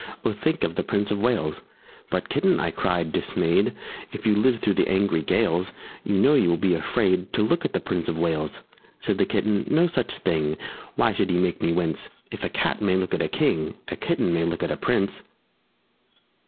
_ Oh, think of the Prince of Wales!" "But, Kitten," I cried, dismayed, "If you live through the angry gales You know you will be afraid To look at the Prince of Wales!" Said the Kitten, "No such thing! Why should he make me wince? If a Cat may look at a King, _A Kitten may look at a Prince!"